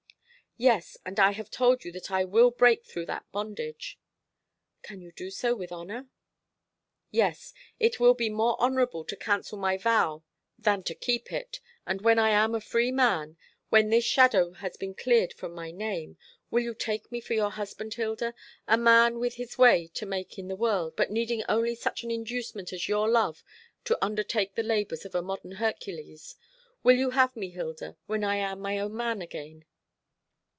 "Yes, and I have told you that I will break through that bondage." "Can you do so with honour?" "Yes. It will be more honourable to cancel my vow than to keep it; and when I am a free man when this shadow has been cleared from my name will you take me for your husband, Hilda a man with his way to make in the world, but needing only such an inducement as your love to undertake the labours of a modern Hercules? Will you have me, Hilda, when I am my own man again?"